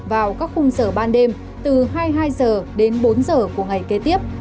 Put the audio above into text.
vào các khung giờ ban đêm từ hai mươi hai h đến bốn h của ngày kế tiếp